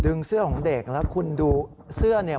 ดึงเสื้อของเด็กแล้วคุณดูเสื้อมันรังคอ